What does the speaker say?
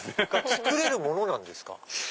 造れるものなんですか？